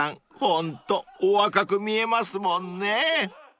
ホントお若く見えますもんね］